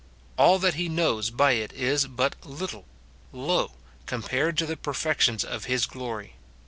All that he knows by it is but little, low, compared to the perfections of his glory.